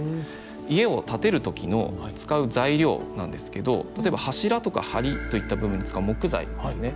家を建てる時の使う材料なんですけど例えば柱とか梁といった部分に使う木材ですね。